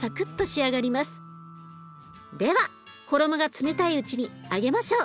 では衣が冷たいうちに揚げましょう。